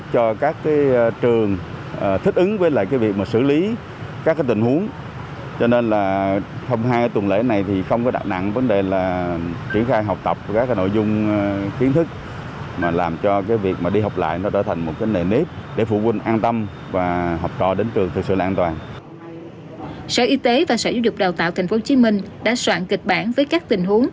sở y tế và sở giáo dục đào tạo tp hcm đã soạn kịch bản với các tình huống